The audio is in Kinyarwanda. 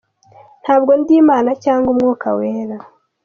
Ntabwo ndi Imana cyangwa umwuka wera